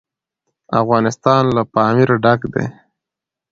افغانستان له پامیر ډک دی.